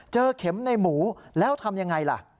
เจอเข็มในหมูแล้วทำอย่างไรล่ะ